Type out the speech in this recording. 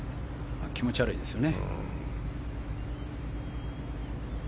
気持ち悪いですよね。